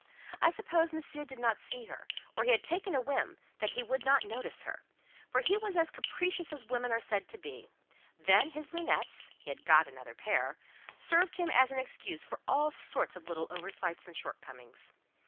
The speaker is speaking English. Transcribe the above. I suppose Monsieur did not see her, or he had taken a whim that he would not notice her, for he was as capricious as women are said to be; then his "lunettes" (he had got another pair) served him as an excuse for all sorts of little oversights and shortcomings.